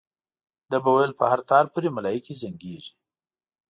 ده به ویل په هر تار پورې ملایکې زنګېږي.